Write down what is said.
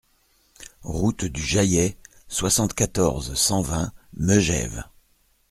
Route du Jaillet, soixante-quatorze, cent vingt Megève